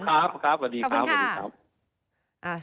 ได้ครับผมครับสวัสดีครับ